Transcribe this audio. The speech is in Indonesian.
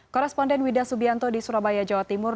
koresponden wida subianto di surabaya jawa timur